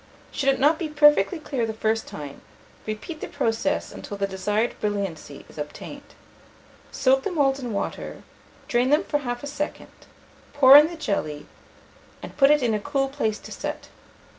Should it not be perfectly clear the first time, repeat the process until the desired brilliancy is obtained. Soak the moulds in water, drain them for half a second, pour in the jelly, and put it in a cool place to set.